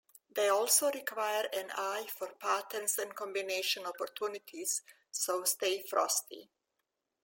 They also require an eye for patterns and combination opportunities, so stay frosty.